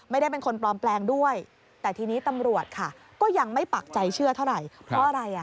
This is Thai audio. ไม่ได้เป็นคนพลอมแปลงด้วยแต่ทีนี้ตำรวจก็ยังไม่ปรับใจเชื่อเท่าไหร่